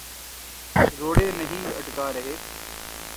روڑے نہیں اٹکا رہے۔